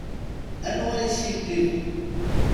Anwa yeskidiben.